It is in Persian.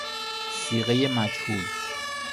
صیغۀ مجهول